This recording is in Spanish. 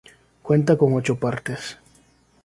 Cuenta con ocho partes.